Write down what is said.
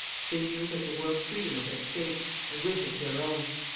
They knew that the world's freedom was at stake, and with it their own.